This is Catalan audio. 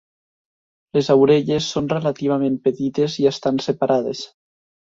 Les orelles són relativament petites i estan separades.